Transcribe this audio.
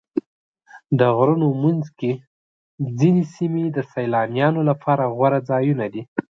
د غرونو منځ کې ځینې سیمې د سیلانیانو لپاره غوره ځایونه دي.